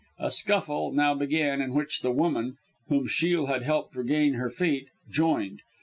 A scuffle now began, in which the woman, whom Shiel had helped to regain her feet, joined.